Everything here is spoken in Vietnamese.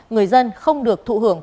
người dân không được thụ hưởng